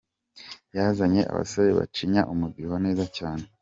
Yazanye abasore bacinya umudiho neza cyane.